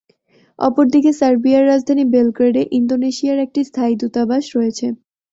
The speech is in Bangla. অপরদিকে সার্বিয়ার রাজধানী বেলগ্রেড এ ইন্দোনেশিয়ার একটি স্থায়ী দূতাবাস রয়েছে।